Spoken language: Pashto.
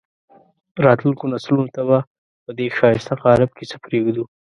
راتلونکو نسلونو ته به په دې ښایسته قالب کې څه پرېږدو.